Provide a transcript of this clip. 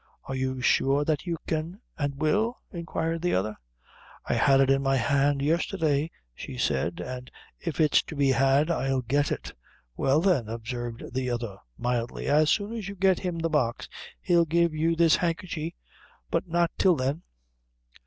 "Are you sure that you can an' will?" inquired the other. "I had it in my hand yesterday," she said, "an' if it's to be had I'll get it." "Well, then," observed the other mildly, "as soon as you get him the box, he'll give you this handkerchy, but not till then."